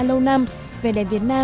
lâu năm vnvn